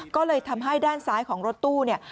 ก็เลยทำให้ด้านซ้ายของรถตู้เนี่ย